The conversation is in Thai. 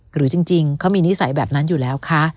หรือจริงเขามีนิสัยแบบนั้นอยู่แล้วคะ